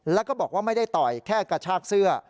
แล้วก็บอกว่าไม่ได้ต่อยแค่กระชากเสื้อ